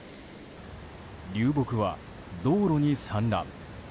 流木は道路に散乱。